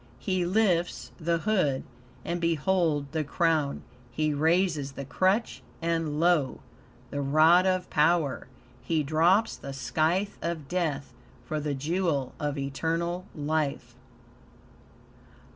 He lifts the hood, and behold the crown. He raises the crutch, and lo! the rod of power. He drops the scythe of death for the jewel of eternal life.